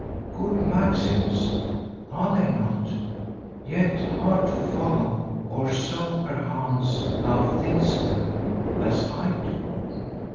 Good maxims, are they not? Yet hard to follow, or so, perchance, thou thinkest them—as I do."